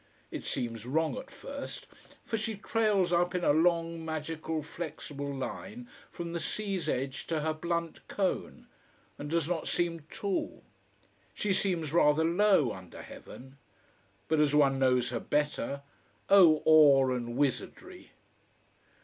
It seems wrong at first, for she trails up in a long, magical, flexible line from the sea's edge to her blunt cone, and does not seem tall. She seems rather low, under heaven. But as one knows her better, oh awe and wizardy!